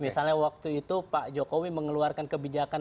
misalnya waktu itu pak jokowi mengeluarkan kebijakan